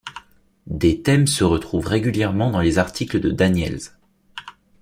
Des thèmes se retrouvent régulièrement dans les articles de Daniels.